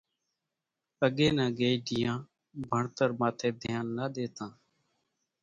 اڳيَ نا ڳئيڍيا ڀڻتر ماٿيَ ڌيانَ نا ۮيتا۔